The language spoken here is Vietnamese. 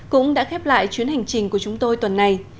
cũng đã khép lại chuyến hành trình của chúng tôi tuần này